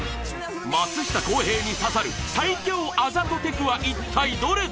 松下洸平に刺さる最強あざとテクは一体どれだ？